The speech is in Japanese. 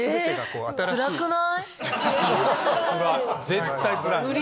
絶対つらい。